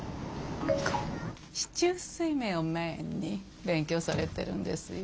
四柱推命をメインに勉強されてるんですよ。